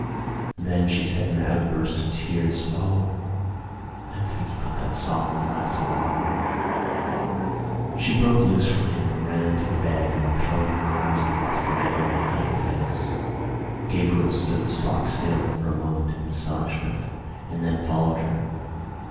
Then she said in an outburst of tears: "O, I am thinking about that song, The Lass of Aughrim." She broke loose from him and ran to the bed and, throwing her arms across the bed rail, hid her face. Gabriel stood stock still for a moment in astonishment and then followed her.